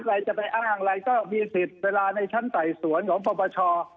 ใครจะไปอ้างอะไรก็มีสิทธิ์เวลาในชั้นไต่สวนของปปช